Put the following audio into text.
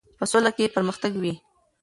په سوله کې پرمختګ وي.